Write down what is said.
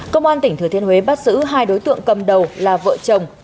công an tỉnh thừa thiên huế bắt giữ hai đối tượng cầm đầu là vợ chồng